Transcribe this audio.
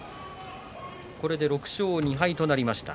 ６勝２敗となりました。